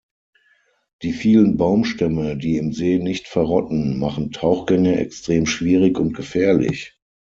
Die vielen Baumstämme, die im See nicht verrotten, machen Tauchgänge extrem schwierig und gefährlich.